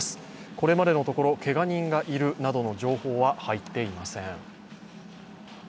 これまでのところけが人がいるという情報は入っていません。